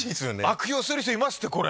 悪用する人いますってこれ。